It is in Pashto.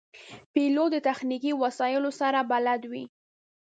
پیلوټ د تخنیکي وسایلو سره بلد وي.